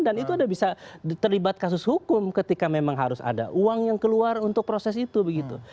dan itu bisa terlibat kasus hukum ketika memang harus ada uang yang keluar untuk proses itu